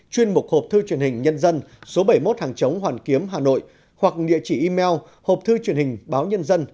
chuyên mục hộp thư truyền hình nhân dân số bảy mươi một hàng chống hoàn kiếm hà nội hoặc địa chỉ email hộp thư truyền hình báo nhân dân